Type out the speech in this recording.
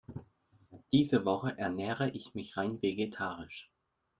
Diese Woche ernähre ich mich rein vegetarisch.